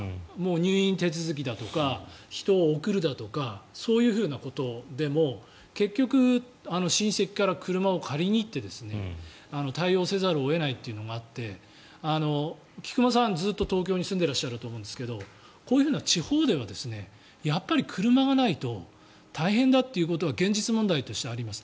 入院手続きだとか人を送るだとかそういうふうなことでも結局親戚から車を借りに行って対応せざるを得ないというのがあって菊間さん、ずっと東京に住んでいらっしゃると思うんですけどこういう地方ではやっぱり車がないと大変だということは現実問題としてあります。